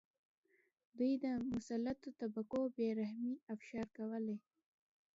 دوی د مسلطو طبقو بې رحمۍ افشا کولې.